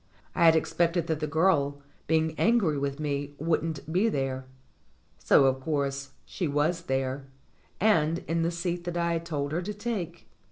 I had expected that the girl, being angry with me, wouldn't be there; so, of course, she was there, and in the seat that I had told her to take.